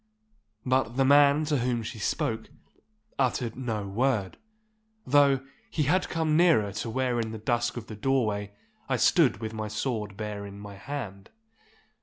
But the man to whom she spoke uttered no word, though he had come nearer to where in the dusk of the doorway I stood with my sword bare in my hand.